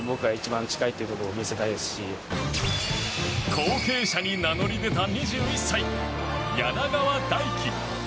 後継者に名乗り出た２１歳、柳川大樹。